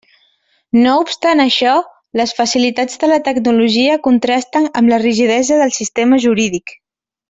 No obstant això, les facilitats de la tecnologia contrasten amb la rigidesa del sistema jurídic.